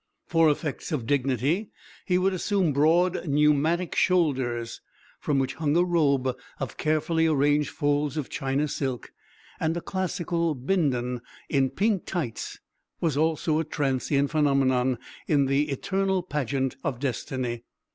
For effects of dignity he would assume broad pneumatic shoulders, from which hung a robe of carefully arranged folds of China silk, and a classical Bindon in pink tights was also a transient phenomenon in the eternal pageant of Destiny.